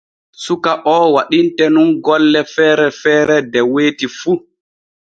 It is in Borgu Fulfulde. Suka o waɗinte nun golle feere feere de weeti fu.